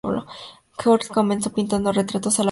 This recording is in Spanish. Georg Decker comenzó pintando retratos a la acuarela.